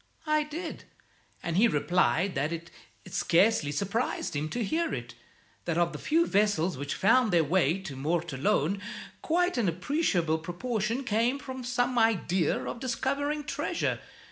"I did, and he replied that it scarcely surprised him to hear it, that of the few vessels which found their way to Mortallone, quite an appreciable proportion came with some idea of discovering treasure.